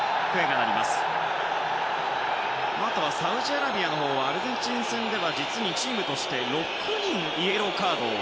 あとはサウジアラビアのほうはアルゼンチン戦の時はチームとして６人イエローカードを